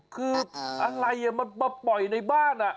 คืออะไรมันปล่อยในบ้านน่ะ